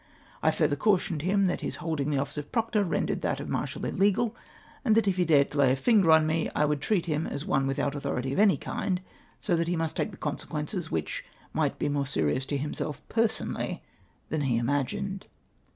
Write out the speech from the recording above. I further cautioned him that his hold ing the office of proctor rendered that of marshal illegal, and that if he dared to lay a finger on me, I would treat him as one without authority of any kind, so that he must take the consequences, which might be more serious to himself personally than he imagined.